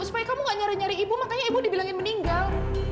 supaya kamu gak nyari nyari ibu makanya ibu dibilangin meninggal